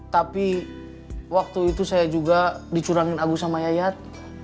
tapi waktu itu saya juga dicurangin agus sama yayat